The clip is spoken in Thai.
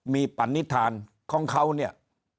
มีปรรณิธานของเขาเนี่ย